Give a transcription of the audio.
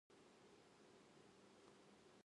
あーあ、宝くじ当たんねぇかな